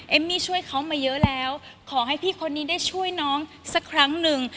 มี่ช่วยเขามาเยอะแล้วขอให้พี่คนนี้ได้ช่วยน้องสักครั้งหนึ่ง